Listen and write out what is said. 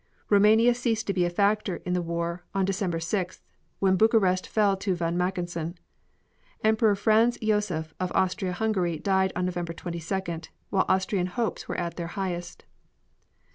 Roumania ceased to be a factor in the war on December 6th, when Bucharest fell to von Mackensen. Emperor Franz Josef of Austria Hungary died on November 22d, while Austrian hopes were at their highest.